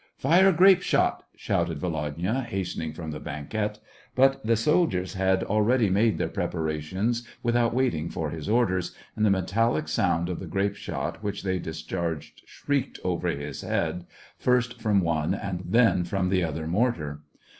" Fire grape shot !" shouted Volodya, hastening from the banquette ; but the soldiers had already made their preparations without waiting for his orders, and the metallic sound of the grape shot which they discharged shrieked over his head, first from one and then from the other mortar.